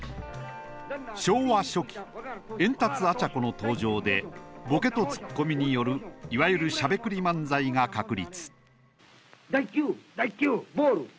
昭和初期エンタツ・アチャコの登場でボケとツッコミによるいわゆるしゃべくり漫才が確立。